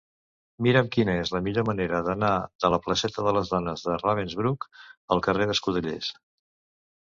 Mira'm quina és la millor manera d'anar de la placeta de les Dones de Ravensbrück al carrer d'Escudellers.